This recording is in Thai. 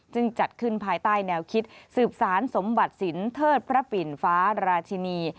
จัดขึ้นภายใต้แนวคิดสืบสารสมบัติศิลป์เทิดพระปิ่นฟ้าราชินี